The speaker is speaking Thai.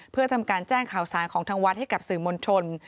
เพื่อทำการแจ้งข่าวสารของทางวัดให้กับสื่อมวลชน